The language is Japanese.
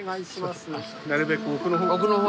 なるべく奥の方。